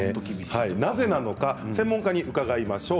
なぜなのか専門家に伺いましょう。